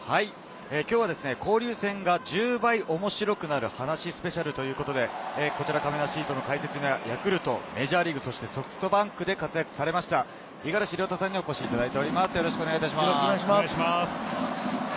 今日は交流戦が１０倍面白くなる話スペシャルということで、かめなシートの解説にはヤクルト、メジャーリーグ、そしてソフトバンクで活躍された五十嵐亮太さんにお越しいただいています、よろしくお願いします。